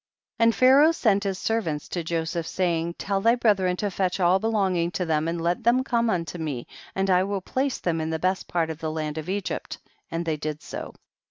75. And Pharaoh sent his servants to Joseph, saying, tell thy brethren to fetch all belonging to them and let them come unto me and I will place them in the best part of the land of Egypt, and they did so.